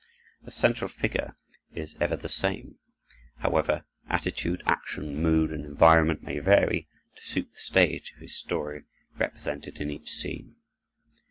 The central figure is ever the same, however attitude, action, mood, and environment may vary, to suit the stage of his story represented in each scene.